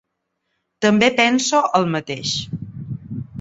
També penso el mateix.